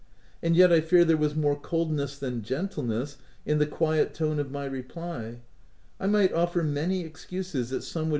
And yet, I fear there was more coldness than gentleness in the quiet tone of my reply :—" I might offer many excuses that some would OP WILDFELL HALL.